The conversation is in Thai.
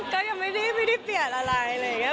ก็ยังไม่ได้เปลี่ยนอะไรอะไรอย่างนี้